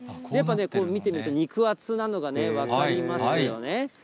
やっぱ見てみると、肉厚なのが分かりますよね。